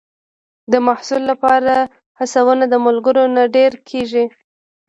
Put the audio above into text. د محصل لپاره هڅونه د ملګرو نه ډېره کېږي.